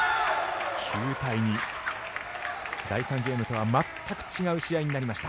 ９対２第３ゲームとは全く違う試合になりました。